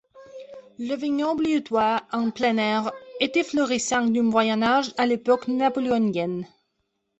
Le vignoble hutois ‘en plein air’ était florissant du Moyen Âge à l’époque napoléonienne.